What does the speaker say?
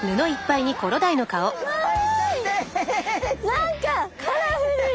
何かカラフル！